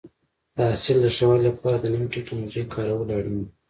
د حاصل د ښه والي لپاره د نوې ټکنالوژۍ کارول اړین دي.